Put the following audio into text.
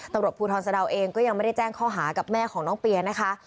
ตำรวจภูทรสะดาวเองก็ยังไม่ได้แจ้งข้อหากับแม่ของน้องเปียนะคะ